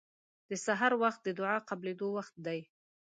د سحر وخت د دعا قبلېدو وخت دی.